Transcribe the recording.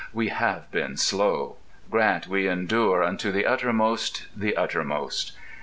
We have been slow. Grant we endure Unto the uttermost, the uttermost.